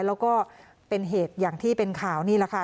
แล้วก็เป็นเหตุอย่างที่เป็นข่าวนี่แหละค่ะ